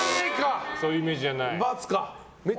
そういうイメージじゃない。